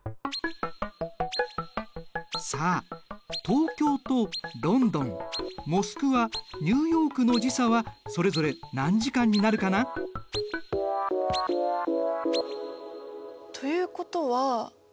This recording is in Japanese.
さあ東京とロンドンモスクワニューヨークの時差はそれぞれ何時間になるかな？ということはえっと